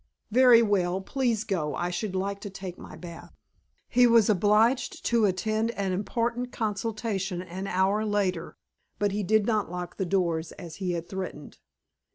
"Very well. Please go. I should like to take my bath." He was obliged to attend an important consultation an hour later, but he did not lock the doors as he had threatened.